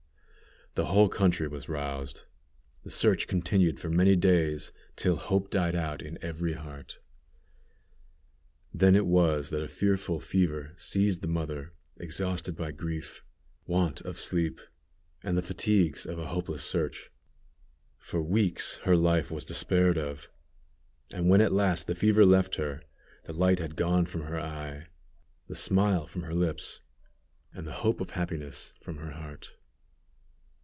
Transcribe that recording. The whole country was roused. The search continued for many days, till hope died out in every heart. Then it was that a fearful fever seized the mother, exhausted by grief, want of sleep, and the fatigues of a hopeless search. For weeks her life was despaired of; and when at last the fever left her, the light had gone from her eye, the smile from her lips, and the hope of happiness from her heart.